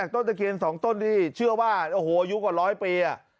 ต้นตะเคียน๒ต้นที่เชื่อว่าโอ้โหยุคกว่า๑๐๐ปี